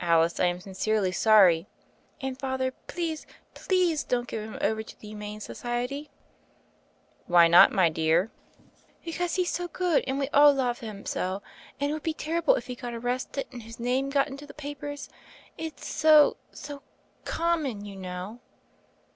"Alice, I am sincerely sorry." "And, Father, please, please don't give him over to the Humane Society." "Why not, my dear?" 75 76 THE FAIRY OF THE SNOWS "Because he's so good, and we all love him so, and it would be terrible if he got arrested and his name got into the papers. It's so — ^so — common, you know."